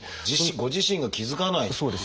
ご自身が気付かないっていう。